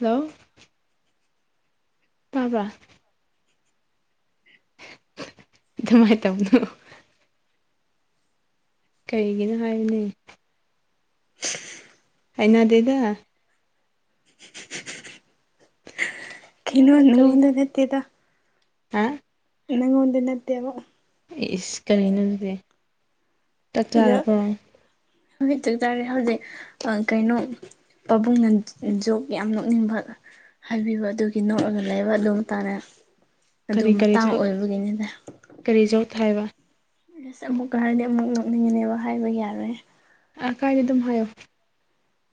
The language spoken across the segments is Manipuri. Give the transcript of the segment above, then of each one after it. ꯍꯜꯂꯣ ꯇꯥꯕꯔ ꯑꯗꯨꯃꯥꯏ ꯇꯧꯅꯣ ꯀꯩꯒꯤꯅꯣ ꯍꯥꯏꯌꯨꯅꯦ ꯍꯩꯅꯗꯦꯗ [unintelligible] ꯀꯩꯅꯣ ꯅꯪ ꯀꯔꯤꯅꯣ ꯅꯪꯉꯣꯟꯗ ꯍꯥ ꯅꯪꯉꯣꯡꯗ ꯅꯠꯇꯦꯕ ꯏꯁ ꯀꯔꯤꯅꯣ ꯑꯗꯨꯗꯤ ꯆꯥꯛ ꯑꯗꯣ ꯆꯥꯔꯕꯣ ꯍꯧꯖꯤꯛ ꯆꯥꯛ ꯆꯥꯔꯦ ꯍꯧꯖꯤꯛ ꯑꯥ ꯀꯩꯅꯣ ꯄꯥꯕꯨꯡꯅ ꯖꯣꯛꯀꯤ ꯌꯥꯝ ꯅꯣꯛꯅꯤꯡꯕ ꯍꯥꯏꯕꯤꯕ ꯑꯗꯨꯒꯤ ꯅꯣꯛꯑꯒ ꯂꯩꯕ ꯑꯗꯨꯝ ꯇꯥꯔꯦ ꯀꯔꯤ ꯀꯔꯤ ꯖꯣꯛ ꯀꯔꯤ ꯖꯣꯛ ꯍꯥꯏꯕ ꯑꯁ ꯑꯃꯨꯛꯀ ꯍꯥꯏꯔꯗꯤ ꯑꯃꯨꯛ ꯅꯣꯛꯅꯤꯡꯒꯅꯦꯕ ꯍꯥꯏꯕ ꯌꯥꯔꯣꯏ ꯑꯥ ꯀꯥꯏꯗꯦ ꯑꯗꯨꯝ ꯍꯥꯏꯌꯣ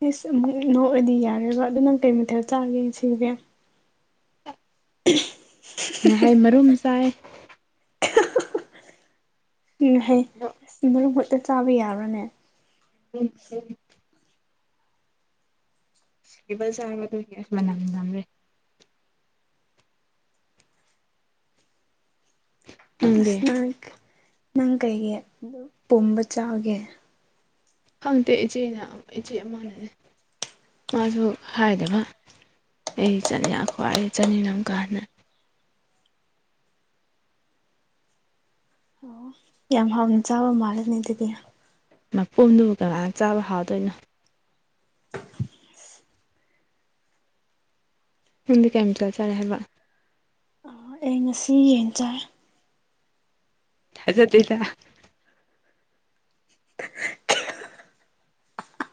ꯏꯁ ꯑꯃꯨꯛ ꯅꯣꯛꯑꯗꯤ ꯌꯥꯔꫭꯕ ꯑꯗꯨ ꯅꯪ ꯀꯩ ꯃꯊꯦꯜ ꯆꯥꯒꯦ ꯉꯁꯤꯒꯤꯗꯤ ꯉꯥꯍꯩ ꯃꯔꯨꯝ ꯆꯥꯏ ꯎꯝ ꯍꯩ ꯑꯁ ꯃꯔꯨ ꯈꯛꯇ ꯆꯥꯕ ꯌꯥꯕꯔꯅꯦ ꯎꯝ ꯎꯝ ꯆꯥꯔꯕ ꯃꯇꯨꯡꯒꯤ ꯑꯁ ꯃꯅꯝ ꯅꯝꯔꯦ ꯅꯪꯗꯤ ꯑꯁ ꯅꯪ ꯅꯪ ꯀꯩꯒꯤ ꯄꯨꯝꯕ ꯆꯥꯒꯦ ꯈꯪꯗꯦ ꯏꯆꯦꯅ ꯏꯆꯦ ꯑꯃꯥꯅꯅꯦ ꯃꯥꯁꯨ ꯍꯥꯏꯗꯕ ꯑꯩ ꯆꯠꯅꯤ ꯈ꯭ꯋꯥꯏ ꯆꯠꯅꯤꯡꯅꯀꯥꯟꯗ ꯑꯣ ꯌꯥꯝ ꯍꯥꯎꯅ ꯆꯥꯕ ꯃꯥꯜꯂꯦꯅꯦ ꯑꯗꯨꯗꯤ ꯃꯀꯨꯝꯗꯨꯕꯨ ꯀꯅꯥꯅ ꯆꯥꯕ ꯍꯥꯎꯗꯣꯏꯅꯣ ꯌꯨꯝꯗ ꯀꯌꯥꯝ ꯆꯠꯆꯔꯦ ꯍꯥꯏꯕ ꯑꯩ ꯉꯁꯤ ꯌꯦꯡ ꯆꯥꯏ ꯊꯖꯗꯦꯗ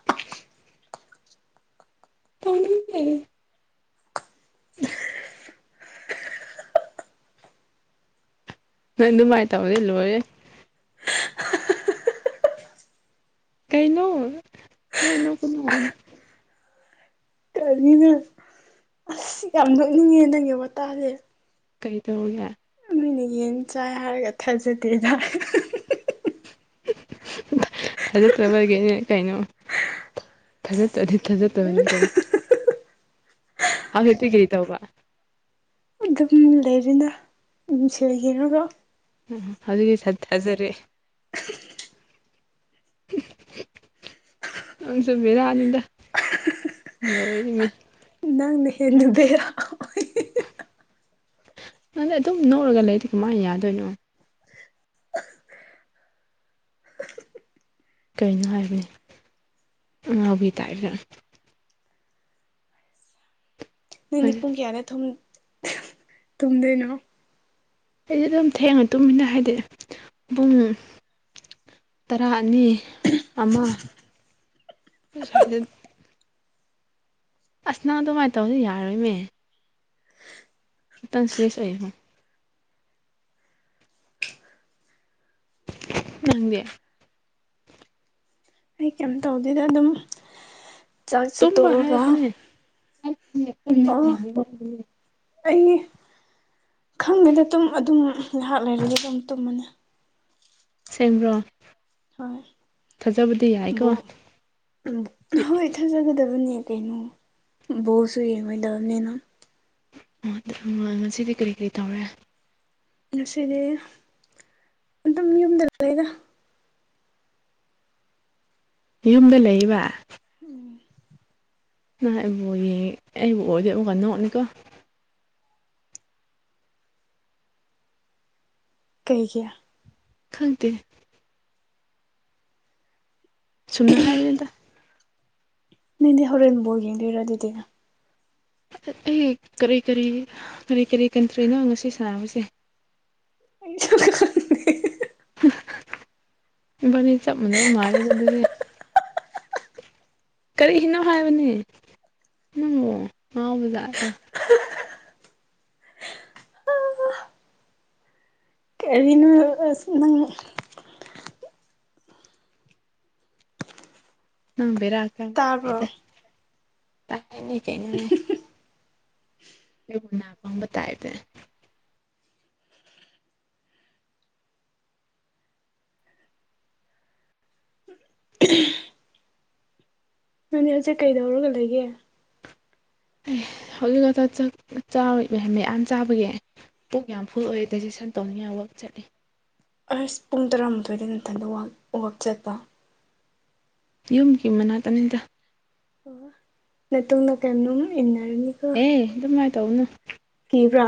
[inaudible] [unintelligible] ꯎꯝ ꯅꯣꯏ ꯑꯗꯨꯃꯥꯏ ꯇꯧꯔꯗꯤ ꯂꯣꯏꯔꯦ ꯀꯩꯅꯣ ꯑꯗꯨꯃꯥꯏ ꯅꯣꯛꯀꯅꯣ [unintelligible] ꯑꯁ ꯌꯥꯝ ꯅꯣꯛꯅꯤꯡꯉꯦ ꯅꯪꯒꯤ ꯋꯥꯇꯥꯖꯦ ꯀꯩ ꯇꯧꯔꯤꯒꯦ ꯌꯦꯟ ꯆꯥꯏ ꯍꯥꯏꯔꯒ ꯊꯥꯖꯗꯦꯗ ꯊꯥꯖꯠꯇꯔꯕꯒꯤꯅꯦ ꯀꯩꯅꯣ ꯊꯥꯖꯠꯇꯔꯥꯗꯤ ꯊꯥꯖꯠꯇꯕꯅꯤ ꯀꯩꯅꯣ ꯑꯃꯥ ꯍꯦꯠꯇꯤ ꯀꯩ ꯇꯧꯕ ꯑꯗꯨꯝ ꯂꯩꯔꯦꯗ ꯃꯤꯡꯁꯦꯜ ꯌꯦꯡꯔꯒ ꯎ ꯑꯗꯨꯒꯤ ꯆꯠꯖꯔꯦ [unintelligible] [inaudible] ꯅꯪꯁꯨ ꯕꯦꯔꯅꯤꯗ ꯂꯣꯏꯔꯦꯅꯦ ꯅꯪꯅ ꯍꯦꯟꯅ ꯕꯦ ꯑꯗꯨꯗꯤ ꯑꯗꯨꯝ ꯅꯣꯛꯔꯒ ꯂꯩꯔꯗꯤ ꯀꯃꯥꯏ ꯌꯥꯗꯣꯏꯅꯣ ꯀꯩꯅꯣ ꯍꯥꯏꯕꯅꯤ ꯑꯉꯥꯎꯕꯤ ꯇꯥꯏꯞꯇ ꯅꯪꯗꯤ ꯄꯨꯡ ꯑꯩꯗꯤ ꯀꯌꯥꯗ ꯊꯨꯝꯗꯣꯏꯅꯣ ꯑꯩꯗꯤ ꯑꯗꯨꯝ ꯊꯦꯡꯅ ꯇꯨꯝꯃꯤꯅ ꯍꯥꯏꯗꯤ ꯄꯨꯡ ꯇꯔꯥ ꯑꯅꯤ ꯑꯃ ꯁ꯭ꯋꯥꯏꯗ ꯑꯁ ꯅꯪ ꯑꯗꯨꯃꯥꯏꯅ ꯇꯧꯔꯗꯤ ꯌꯥꯔꯣꯏꯃꯦ [unintelligible] ꯅꯪꯗꯤ ꯑꯩ ꯀꯩꯝ ꯇꯧꯗꯦꯗ ꯑꯗꯨꯝ ꯆꯥꯛ ꯇꯨꯝꯕ ꯆꯥꯠꯇꯣꯛꯔꯒ ꯍꯥꯏꯕꯅꯦ ꯑꯣ ꯑꯩ ꯈꯪꯗꯦꯗ ꯑꯗꯨꯝ ꯑꯗꯨꯝ ꯉꯥꯏꯍꯥꯛ ꯂꯩꯔꯗꯤ ꯑꯗꯨꯝ ꯇꯨꯝꯃꯅꯤ ꯑꯁꯦꯡꯕ꯭ꯔꯣ ꯍꯣꯏ ꯊꯥꯖꯕꯗꯤ ꯌꯥꯏꯀꯣ ꯕꯣ ꯎꯝ ꯍꯣꯏ ꯊꯥꯖꯒꯗꯕꯅꯦ ꯀꯩꯅꯣ ꯕꯣꯜꯁꯨ ꯌꯦꯡꯉꯣꯏꯗꯝꯅꯤꯅ ꯑꯗꯨ ꯅꯨꯡꯉꯥꯏ ꯉꯁꯤꯗꯤ ꯀꯔꯤ ꯀꯔꯤ ꯇꯧꯔꯦ ꯉꯁꯤꯗꯤ ꯑꯗꯨꯝ ꯌꯨꯝꯗ ꯂꯩꯗ ꯌꯨꯝꯗ ꯂꯩꯌꯦꯕ ꯎꯝ ꯅ ꯑꯩꯕꯨ ꯌꯦꯡ ꯑꯩꯕꯨ ꯑꯣꯏꯗꯦꯕꯨ ꯀꯅ ꯑꯣꯔꯠꯅꯤꯀꯣ ꯀꯩꯒꯤ ꯈꯪꯗꯦ ꯆꯨꯝꯅ ꯍꯥꯏꯕꯅꯤꯗ ꯅꯗꯤ ꯍꯣꯔꯦꯟ ꯕꯣꯜ ꯌꯦꯡꯗꯣꯏꯔ ꯑꯗꯨꯗꯤ ꯑꯩ ꯀꯔꯤ ꯀꯔꯤ ꯀꯔꯤ ꯀꯔꯤ ꯀꯟꯇ꯭ꯔꯤꯅꯣ ꯉꯁꯤ ꯁꯥꯟꯅꯕꯁꯦ ꯑꯩ ꯏꯕꯥꯅꯤ ꯆꯞ ꯃꯥꯟꯅꯕ ꯑꯗꯨꯗꯗꯤ ꯀꯔꯤꯅꯣ ꯍꯥꯏꯕꯅꯦ ꯅꯪꯉꯣ ꯉꯥꯎꯕꯖꯥꯠꯂꯥ ꯀꯔꯤꯅꯣ ꯑꯁ ꯅꯪ ꯇꯥꯕ꯭ꯔꯣ ꯅꯪꯕꯤꯔꯀꯗꯅꯤ ꯀꯦ ꯅꯅꯦ ꯑꯩꯕꯨ ꯅꯥꯄꯪꯕ ꯇꯥꯏꯞꯇ ꯏ ꯅꯪꯗꯤ ꯍꯧꯖꯤꯛ ꯀꯩꯗꯧꯔꯒ ꯂꯩꯒꯦ ꯑꯦ ꯍꯧꯖꯤꯛꯀꯛꯇ ꯆꯥꯛ ꯆꯥꯕꯒꯤ ꯍꯥꯝꯅꯦ ꯃꯌꯥꯝ ꯆꯥꯕꯒꯤ ꯄꯨꯛ ꯌꯥꯝ ꯐꯨꯜ ꯑꯣꯏ ꯗꯥꯏꯖꯦꯁꯟ ꯇꯧꯅꯤꯡꯉꯥꯏ ꯋꯥꯛ ꯆꯠꯂꯤ ꯑꯁ ꯄꯨꯡ ꯇꯔꯥꯃꯥꯊꯣꯏꯗ ꯊꯟꯗ ꯋꯥꯛ ꯆꯠꯄ ꯌꯨꯝꯒꯤ ꯃꯅꯥꯛꯇꯅꯤꯗ ꯑꯣ ꯅꯠꯇꯨꯡꯗ ꯀꯩꯅꯣꯝ ꯏꯟꯅꯔꯅꯤ ꯑꯦ ꯑꯗꯨꯝꯃꯥꯏ ꯇꯧꯒꯅꯨ ꯀꯤꯕ꯭ꯔꯥ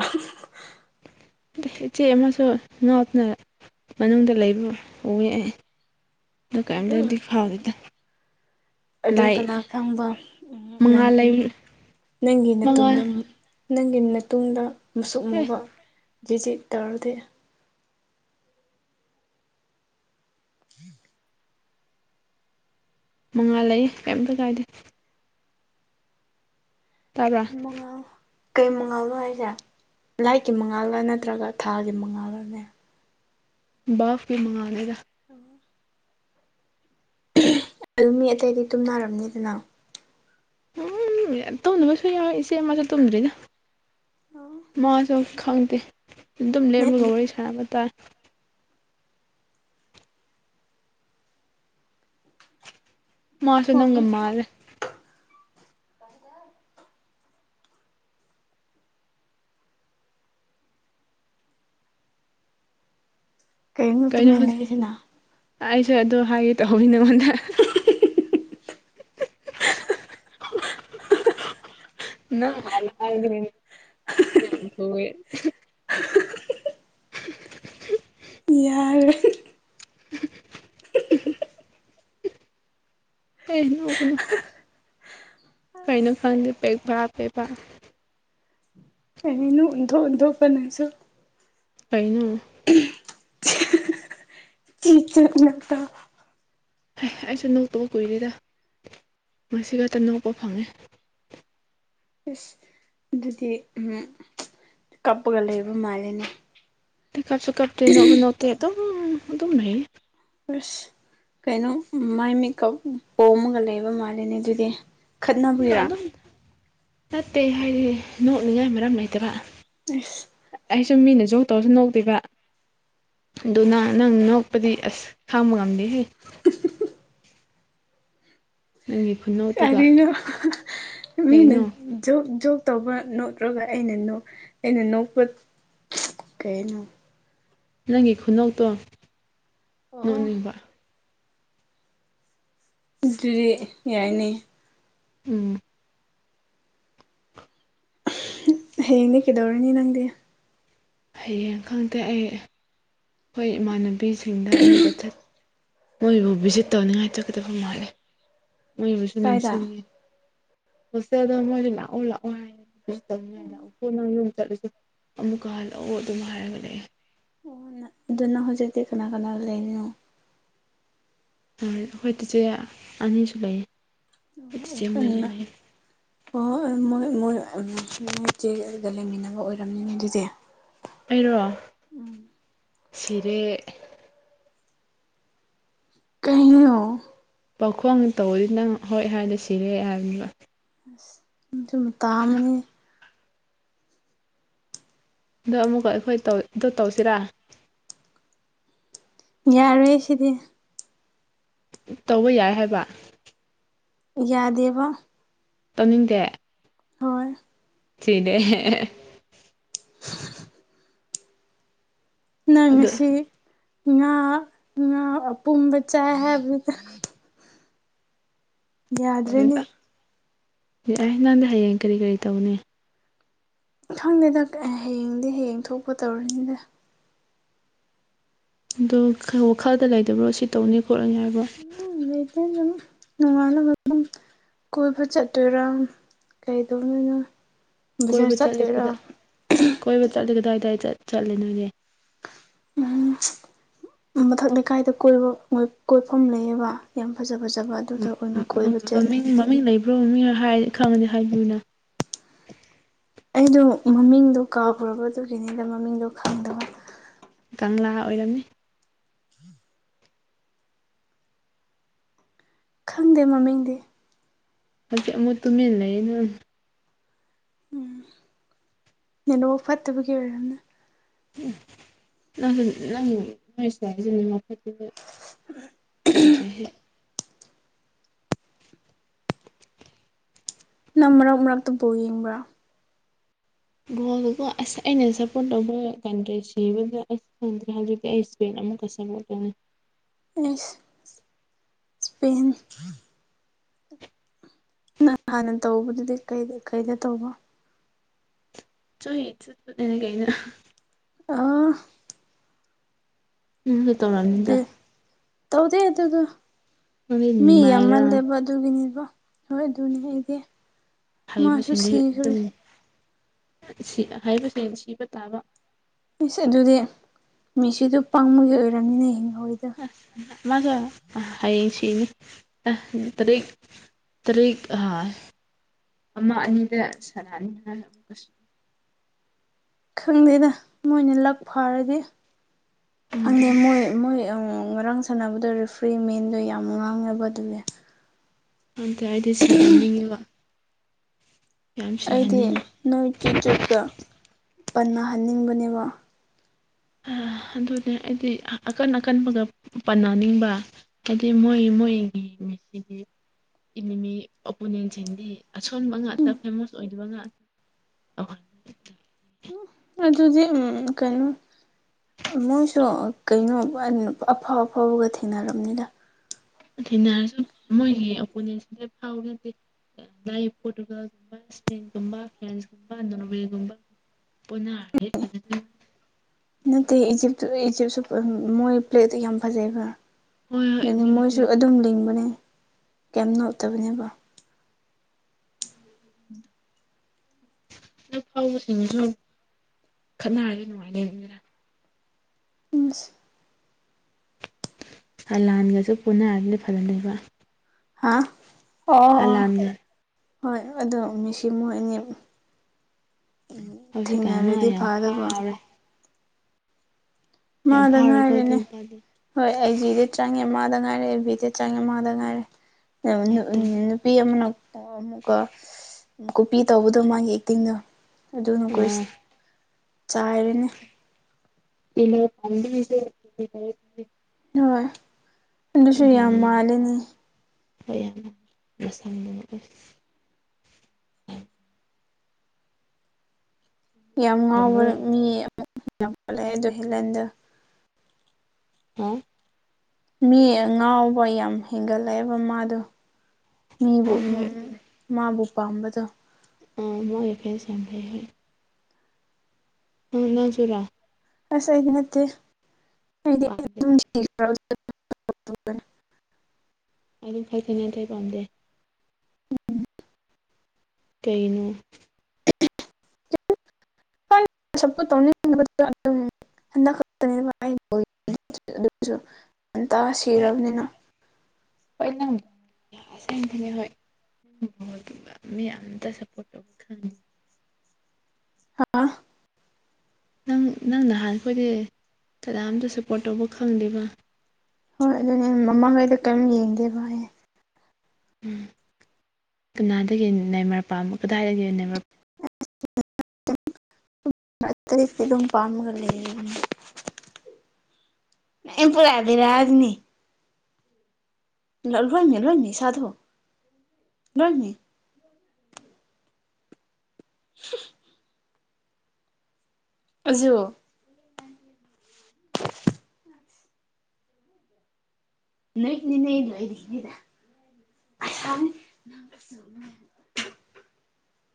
ꯑꯗꯨ ꯏꯆꯦ ꯑꯃꯁꯨ ꯂꯣꯠꯅ ꯃꯅꯨꯡꯗ ꯂꯩꯕ ꯎꯌꯦ ꯑꯗꯨ ꯗꯨꯀꯥꯟꯗꯗꯤ ꯐꯥꯎꯗꯦꯗ ꯑꯗꯨ ꯂꯥꯏ ꯀꯅꯥ ꯈꯪꯕ ꯃꯉꯥ ꯅꯪ ꯂꯩ ꯅꯪꯒꯤ ꯃꯉꯥ ꯅꯇꯨꯡꯗ ꯑꯃꯨꯛ ꯅꯪꯒꯤ ꯅꯇꯨꯡꯗ ꯃꯨꯁꯨꯛ ꯑꯦ ꯃꯨꯕ ꯖꯤꯖꯤꯠ ꯇꯧꯔꯗꯤ [inaudible] ꯃꯉꯥꯜ ꯂꯩꯌꯦ ꯀꯩꯝꯇ ꯀꯥꯏꯗꯦ ꯇꯕ꯭ꯔꯥ ꯃꯉꯥꯜ ꯀꯩ ꯃꯉꯥꯜꯂꯣ ꯍꯥꯏꯁꯦ ꯂꯥꯏꯠꯀꯤ ꯃꯉꯥꯜꯂ ꯅꯠꯇ꯭ꯔꯒ ꯊꯥꯒꯤ ꯃꯉꯥꯜꯂꯅꯦ ꯕꯥꯜꯐꯀꯤ ꯃꯉꯥꯜꯅꯤꯗ [unintelligible] ꯑꯗꯨ ꯃꯤ ꯑꯇꯩꯗꯤ ꯇꯨꯝꯅꯔꯝꯅꯤꯗꯅ ꯎꯝ ꯇꯧꯗꯕꯁꯨ ꯌꯥꯎꯋꯦ ꯏꯆꯦ ꯑꯃꯥꯗꯣ ꯇꯧꯗ꯭ꯔꯤꯗ ꯃꯥꯁꯨ ꯈꯪꯗꯦ ꯑꯗꯨꯝ ꯂꯦꯝꯃꯒ ꯋꯥꯔꯤ ꯁꯥꯥꯟꯅꯕ ꯇꯥꯥꯏ ꯃꯥꯁꯨ ꯅꯪꯒ ꯑꯣ ꯃꯥꯜꯂꯦ ꯀꯩꯅꯣ ꯇꯨꯃꯤꯟ ꯂꯩꯔꯤꯁꯤꯅ ꯑꯩꯁꯨ ꯑꯗꯣ ꯍꯥꯏꯒꯦ ꯇꯧꯕꯅꯤ ꯅꯉꯣꯟꯗ [unintelligible] [unintelligible] [unintelligible] ꯌꯥꯔꯦ [unintelligible] [unintelligible] [unintelligible] ꯀꯩꯅꯣ [unintelligible] ꯍ ꯑꯩꯁꯨ ꯅꯣꯛꯇꯕ ꯀꯨꯏꯔꯦꯗ ꯉꯁꯤ ꯈꯛꯇ ꯅꯣꯛꯄ ꯐꯪꯉꯦ ꯑꯁ ꯑꯗꯨꯗꯤ ꯎ ꯀꯞꯄꯒ ꯂꯩꯕ ꯃꯥꯜꯂꯦꯅꯦ [unintelligible] ꯑꯁ ꯀꯩꯅꯣ ꯃꯥꯏ ꯃꯤꯠꯀ ꯄꯣꯝꯃꯒ ꯂꯩꯕ ꯃꯥꯜꯂꯦꯅꯦ ꯑꯗꯨꯗꯤ ꯑ ꯈꯠꯅꯕꯒꯤꯔꯥ ꯑꯗꯨꯝ ꯅꯠꯇꯦ ꯍꯥꯏꯗꯤ ꯅꯣꯛꯅꯤꯡꯉꯥꯏ ꯃꯔꯝ ꯂꯩꯇꯕ ꯏꯁ ꯑꯩꯁꯨ ꯃꯤꯅꯥ ꯖꯣꯛ ꯇꯦꯔꯁꯨ ꯅꯣꯛꯇꯦꯕꯥ ꯑꯗꯨꯅ ꯅꯪ ꯅꯣꯛꯄꯗꯤ ꯑꯁ ꯈꯥꯡꯕ ꯉꯝꯗꯦꯍꯦ ꯅꯪꯒꯤ ꯈꯨꯅꯣꯛ ꯀꯔꯤꯅ ꯃꯤꯅ ꯀꯩꯅꯣ ꯖꯣꯞ ꯖꯣꯞ ꯇꯧꯕ ꯅꯣꯛꯔꯒ ꯑꯩꯅ ꯑꯩꯅ ꯅꯣꯛꯄ ꯀꯩꯅꯣ ꯅꯪꯒꯤ ꯈꯨꯅꯣꯛꯇꯣ ꯑꯣ ꯅꯣꯛꯅꯤꯡꯕ ꯑꯗꯨꯗꯤ ꯌꯥꯏꯅꯦ ꯎꯝ ꯍꯌꯦꯡꯗꯤ ꯀꯩꯗꯧꯔꯅꯤ ꯅꯪꯗꯤ ꯍꯌꯦꯡ ꯈꯪꯗꯦ ꯑꯩ ꯑꯩꯈꯣꯏ ꯏꯃꯥꯟꯅꯕꯤꯁꯤꯡꯗ ꯑꯃꯨꯛꯀ ꯆꯠ ꯃꯣꯏꯕꯨ ꯚꯤꯖꯤꯠ ꯇꯧꯅꯤꯡꯉꯥꯏ ꯆꯠꯀꯗꯕ ꯃꯥꯜꯂꯤ ꯃꯣꯏꯕꯨꯁꯨ ꯀꯥꯏꯗ ꯅꯤꯡꯁꯤꯡꯉꯦ ꯍꯣꯁꯇꯦꯜꯗꯣ ꯃꯣꯏꯗꯤ ꯂꯥꯛꯑꯣ ꯂꯥꯛꯑꯣ ꯍꯥꯏꯑꯦ [unintelligible] ꯑꯣ ꯅ ꯑꯗꯨꯅ ꯍꯧꯖꯤꯛꯇꯤ ꯀꯅꯥ ꯀꯅꯥ ꯂꯩꯔꯤꯅꯣ ꯑꯩꯈꯣꯏ ꯆꯤꯆꯦ ꯑꯅꯤꯁꯨ ꯂꯩꯌꯦ [unintelligible] ꯑꯩꯈꯣꯏ ꯆꯤꯆꯦ ꯃꯣꯏꯒ ꯂꯩꯌꯦ ꯑꯣ ꯃꯣꯏ ꯃꯣꯏ ꯃꯣꯏꯆꯦꯗ ꯂꯩꯃꯤꯟꯅꯕ ꯑꯣꯏꯔꯝꯅꯤ ꯑꯗꯨꯗꯤ ꯑꯩꯔꯣ ꯎꯝ ꯁꯤꯔꯦ ꯀꯩꯅꯣ ꯄꯥꯎꯈꯣꯡ ꯇꯧꯋꯦ ꯅꯪ ꯍꯣꯏ ꯍꯥꯏꯗ ꯁꯤꯔꯦ ꯍꯥꯏꯕꯅꯤꯗ [unintelligible] ꯑꯗꯣ ꯑꯃꯨꯛꯀ ꯑꯩꯈꯣꯏ ꯇꯧ ꯑꯗꯨ ꯇꯧꯁꯤꯔꯥ ꯌꯥꯔꯣꯏꯌꯦ ꯁꯤꯗꯤ ꯇꯧꯕ ꯌꯥꯏ ꯍꯥꯏꯕ ꯌꯥꯗꯦꯕ ꯇꯧꯅꯤꯡꯗꯦ ꯍꯣꯏ ꯁꯤꯅꯦ ꯅꯪ ꯑꯗꯣ ꯉꯥꯁꯤ ꯉꯥ ꯉꯥ ꯑꯄꯨꯝꯕ ꯆꯥꯏ ꯍꯥꯏꯕꯗꯣ ꯌꯥꯗ꯭ꯔꯦꯅꯦ [unintelligible] ꯈꯪꯗꯦꯗ ꯍꯌꯦꯡꯗꯤ ꯍꯌꯦꯡ ꯊꯣꯛꯄ ꯇꯧꯔꯅꯤꯗ ꯑꯗꯣ ꯋꯥꯈꯜꯗ ꯂꯩꯗꯕ꯭ꯔꯣ ꯁꯤ ꯇꯧꯅꯤ ꯈꯣꯠꯂꯅꯤ ꯍꯥꯏꯕꯗꯣ [unintelligible] ꯀꯣꯏꯕ ꯆꯠꯇꯣꯏꯔꯥ ꯀꯩꯗꯧꯅꯤꯅꯣ ꯀꯣꯏꯕ ꯆꯠꯂꯤꯗꯨꯗ ꯀꯣꯏꯕ ꯆꯠꯂꯤ ꯀꯗꯥꯏꯗꯥꯏ ꯆꯠꯂꯦ ꯅꯣꯏꯗꯤ ꯎ ꯃꯊꯪꯗꯤ ꯀꯥꯏꯗ ꯀꯣꯏꯕ ꯀꯣꯏꯐꯝ ꯂꯩꯌꯦꯕ ꯌꯥꯝ ꯐꯖꯕ ꯖꯕ ꯑꯗꯨꯗ ꯑꯣꯏꯅ ꯀꯣꯏꯕ ꯆꯠꯂꯦ ꯃꯤ ꯂꯩꯕ꯭ꯔꯣ ꯃꯤꯅ ꯍꯥꯏ ꯈꯪꯉꯗꯤ ꯍꯥꯏꯕꯤꯌꯨꯅ ꯑꯩꯗꯣ ꯃꯃꯤꯡꯗꯣ ꯀꯥꯎꯈꯔꯕꯗꯨꯒꯤꯅꯤꯗ ꯃꯃꯤꯡꯗꯣ ꯈꯪꯗꯕ ꯀꯪꯂꯥ ꯑꯣꯏꯔꯝꯅꯤ ꯈꯪꯗꯦ ꯃꯃꯤꯡꯗꯤ ꯍꯧꯖꯤꯛ ꯑꯃꯨꯛ ꯇꯨꯃꯤꯟꯅ ꯂꯩ ꯑꯗꯨ ꯎꯝ ꯅꯦꯅꯣ ꯐꯠꯇꯕꯒꯤ ꯑꯣꯏꯔꯝꯅꯤ ꯎ ꯅ ꯁ ꯐ [unintelligible] [unintelligible] [inaudible] ꯅꯪ ꯃꯔꯛ ꯃꯔꯛꯇ ꯕꯣꯜ ꯌꯦꯡꯕ꯭ꯔꯥ ꯕꯣꯜ ꯑꯁ ꯑꯩꯅ ꯁꯞꯄꯣꯔꯠ ꯇꯧꯕ ꯀꯟꯗ꯭ꯔꯦ ꯁꯤꯕꯗ ꯑꯁꯪꯗ꯭ꯔꯦ ꯍꯧꯖꯤꯛꯇꯤ ꯑꯩ ꯑꯃꯛꯀꯥ ꯆꯥꯡꯂꯛꯂꯅꯤꯄꯦ ꯑꯦꯁ ꯁ꯭ꯄꯦꯟ ꯅꯪ ꯍꯥꯟꯅ ꯇꯧꯕꯗꯨꯗꯤ ꯀꯩꯗ ꯀꯩꯗ ꯇꯧꯕ ꯆ ꯏꯅꯦ ꯀꯩꯅꯅ ꯑꯥ ꯎꯁꯨ ꯇꯧꯔꯅꯤꯗ ꯇꯧꯗꯦ ꯑꯗꯨꯗ ꯅꯪꯗꯤ ꯃꯤ ꯑ ꯅꯤꯃꯥꯏꯔꯣ ꯑꯦꯜꯕ ꯑꯗꯨꯒꯤꯅꯦꯕꯣ ꯍꯣꯏ ꯑꯗꯨꯅꯦ ꯑꯩꯗꯤ ꯃꯥꯁꯨ ꯍꯩꯕꯁꯤꯡꯗꯤ ꯁꯤꯈ꯭ꯔꯦ ꯑꯗꯨꯝ ꯍꯩꯕꯁꯤꯡ ꯁꯤꯕ ꯇꯥꯕ ꯃꯤꯁ ꯑꯗꯨꯗꯤ ꯃꯤꯁꯤꯗꯨ ꯄꯥꯡꯕꯒꯤ ꯑꯣꯏꯔꯕꯝꯅꯤꯅ ꯍꯤꯡꯍꯧꯤꯗ ꯃꯥꯖꯥ ꯍꯥꯏꯌꯦꯡ ꯁꯤꯅꯤ ꯑ ꯇꯔ ꯇꯔꯤꯛ ꯍꯥꯏ ꯑꯃ ꯑꯅꯤꯗ ꯁꯅꯥꯅꯤ ꯍꯥꯏ ꯈꯪꯗꯦꯗ ꯃꯣꯏꯅ ꯂꯛ ꯐꯥꯔꯗꯤ ꯈꯪꯗ꯭ꯔꯦ ꯈꯪꯗꯦ ꯃꯣꯏ ꯃꯣꯏ ꯉꯔꯥꯡ ꯁꯥꯟꯅꯕꯗꯣ ꯔꯤꯐ꯭ꯔꯤꯃꯦꯟꯗꯣ ꯌꯥꯝ ꯉꯥꯡꯅꯕ ꯑꯗꯨꯅꯦ ꯑꯇ ꯑꯩꯗꯤ ꯁꯤꯍꯟꯅꯤꯡꯉꯤꯕ ꯑꯩꯗꯤ ꯅꯣꯏ ꯆꯤꯠ ꯆꯨꯠꯀ ꯄꯅꯍꯟꯅꯤꯡꯕꯅꯦꯕ ꯑꯗꯨꯅꯦ ꯑꯩꯗꯤ ꯑꯀꯟ ꯑꯀꯟꯕꯒ ꯄꯅꯅꯤꯡꯕ ꯀꯗꯤ ꯃꯣꯏ ꯃꯣꯏ ꯃꯁꯤ ꯏꯅꯦꯃꯤ ꯑꯣꯄꯣꯅꯦꯟꯁꯤꯡꯗꯤ ꯑꯁꯣꯟꯕ ꯉꯥꯛꯇ ꯐꯦꯃꯁ ꯑꯣꯏꯗꯕ ꯉꯇ ꯑ ꯑꯗꯨ ꯑꯗꯨꯗꯤ ꯎꯝ ꯀꯩꯅꯣ ꯃꯣꯏꯁꯨ ꯀꯩꯅꯣ ꯑꯐꯥꯎ ꯑꯐꯥꯎꯕꯒ ꯊꯦꯡꯅꯔꯕꯅꯤꯗ ꯊꯦꯡꯅꯔꯁꯨ ꯃꯣꯏꯒꯤ ꯑꯣꯄꯣꯅꯦꯟꯁꯤꯡꯗ ꯐꯥꯎ ꯅꯗꯦ ꯏ ꯄꯣꯔꯇꯨꯒꯜꯒꯨꯝꯕ ꯁꯄꯦꯟꯒꯨꯝꯕ ꯐ꯭ꯔꯥꯟꯁꯀꯨꯝꯕ ꯅꯣꯔꯃꯦꯌꯥꯒꯨꯝꯕ ꯄꯨꯟꯅ ꯍꯥꯏ ꯅꯠꯇꯦ ꯏꯖꯤꯞꯇꯨꯗ ꯏꯖꯤꯞꯁꯨ ꯃꯣꯏ ꯄ꯭ꯂꯦꯠꯇꯣ ꯌꯥꯝ ꯐꯖꯩꯕ ꯍꯣꯏ ꯍꯣꯏ ꯑꯗꯨ ꯑꯗꯨꯕꯨꯗꯤ ꯃꯣꯏꯁꯨ ꯍꯣꯏ ꯑꯗꯨꯝ ꯂꯤꯡꯕꯅꯦ ꯀ ꯅꯣꯇꯕꯅꯦꯕ ꯎ ꯍꯗꯛ ꯐꯥꯎꯕꯁꯤꯡꯗꯨꯁꯨ ꯈꯠꯅꯔꯗꯤ ꯅꯨꯡꯉꯥꯏꯅꯩ ꯑꯗꯨꯅ ꯎꯝ ꯂꯥꯟꯒꯁꯨ ꯄꯨꯅꯔꯒꯗꯤ ꯐꯅ ꯂꯩꯣꯏꯕ ꯍꯥꯥ ꯍꯂꯗ ꯍꯣꯏ ꯑꯗꯣ ꯃꯤꯁꯤ ꯃꯣꯏ ꯑꯅꯤ ꯎꯝ ꯍꯧꯖꯤꯛꯀꯥꯟ ꯃꯥ ꯊꯦꯡꯅꯔꯗꯤ ꯐ ꯌꯥꯝ ꯑꯗꯨꯕ ꯐꯥꯎꯔꯦ ꯌꯥꯝ ꯃꯥꯗ ꯐꯥꯎꯔꯦꯀꯣ ꯑꯗꯨ ꯉꯥꯏꯔꯦꯅꯦ ꯅꯨꯄꯥꯗꯣ ꯍꯣꯏ ꯑꯩ ꯖꯤꯗ ꯆꯪꯉꯦ ꯑꯃꯗ ꯉꯥꯏꯔꯦ ꯑꯦ ꯕꯤꯗ ꯆꯪꯉꯦ ꯑꯃꯗ ꯉꯥꯏꯔꯦ ꯎ ꯅꯨꯄꯤ ꯑꯃꯅ ꯑꯃꯨꯛꯀ ꯀꯄꯤ ꯇꯧꯕꯗꯣ ꯃꯥꯒꯤ ꯑꯦꯛꯇꯤꯡꯗꯣ ꯑꯗꯨꯅꯈꯣꯏ ꯑꯥ ꯆꯥꯏꯔꯦꯅꯦ ꯄꯁ ꯍꯣꯏ ꯑꯗꯨꯁꯨ ꯌꯥꯝ ꯃꯥꯜꯂꯤꯅꯤ ꯍ ꯌꯥꯝꯅ ꯃꯁꯥ ꯃꯛ ꯑꯣꯏ ꯌꯥꯝ ꯉꯥꯎꯕ ꯀꯩꯅꯣ ꯃꯤ ꯑꯃꯨꯂꯑꯦ ꯑꯣ ꯍꯦꯂꯦꯟꯗ ꯍꯥꯝ ꯃꯤ ꯉꯥꯎꯕ ꯌꯥꯝ ꯍꯦꯟꯒꯠꯂꯛꯑꯦꯕ ꯃꯥꯗꯣ ꯃꯤꯕꯨ ꯍꯣꯏ ꯎꯝ ꯍꯣꯏ ꯃꯥꯕꯨ ꯄꯥꯝꯕꯗꯣ ꯑ ꯃꯣꯏ ꯑꯦꯐꯦ ꯆꯝꯚꯥꯏ ꯍ ꯑ ꯅꯖꯨꯔꯥ ꯍꯁ ꯍꯥꯏꯗ ꯅꯠꯇꯦ ꯑꯩꯗꯤ ꯍ [unintelligible] ꯇꯣꯏ ꯑꯗꯨꯝ ꯈꯖ ꯅꯥꯇꯩ ꯄꯥꯝꯗꯦ ꯎ ꯀꯩꯅꯣ ꯁꯄꯣꯠ ꯇꯧꯅꯤꯡ ꯍꯟꯗꯛꯛꯇ ꯉꯟꯇꯥ ꯁꯤꯔꯕꯅꯤꯅ ꯄꯩꯅ ꯑꯁꯦꯡꯅꯦ ꯍꯣꯏ ꯑꯗꯨꯒ ꯃꯤ ꯑ ꯑꯃꯇ ꯁꯞꯄꯣꯔꯠ ꯇꯧꯕ ꯈꯪꯉꯦ ꯍꯥꯥ ꯅꯪ ꯅꯪ ꯅꯍꯥꯟ ꯑꯩꯈꯣꯏꯗꯤ ꯀꯅꯥꯝꯇ ꯁꯄꯣꯔꯠ ꯇꯧꯕ ꯈꯪꯗꯦꯕ ꯍꯣꯏ ꯑꯗꯨꯅꯦ ꯃꯃꯥꯡꯉꯩꯗ ꯀꯔꯤꯝ ꯌꯦꯡꯗꯦꯕꯚꯥꯏꯌꯦꯦ ꯎꯝ ꯀꯅꯥꯗꯒꯤ ꯅꯃꯔꯝ ꯀꯗꯥꯏꯗꯒꯤ ꯑꯠꯇꯇꯩ ꯁꯔꯨꯝ ꯄꯥꯟꯒ ꯑꯝ ꯄꯨꯔꯥꯕꯤꯔꯥꯑ ꯑꯗꯨꯅꯤ ꯂꯣꯏꯃꯤ ꯂꯣꯏꯃꯤ ꯁꯥꯙꯨ ꯂꯣꯏꯃꯤ ꯑꯗꯨꯖ ꯅꯣꯏꯅꯤ ꯅ ꯂꯏꯗꯅꯤ